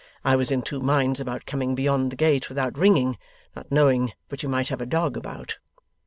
I was in two minds about coming beyond the gate without ringing: not knowing but you might have a dog about.